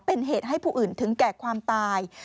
เป็นเหตุให้ผู้อื่นถึงแก่ความตาย